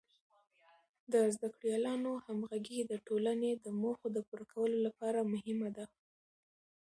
د زده کړیالانو همغږي د ټولنې د موخو د پوره کولو لپاره مهمه ده.